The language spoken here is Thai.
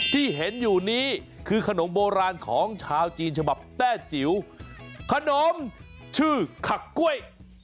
ที่เห็นอยู่นี้คือขนมโบราณของชาวจีนฉบับแต้จิ๋วขนมชื่อขักกล้วย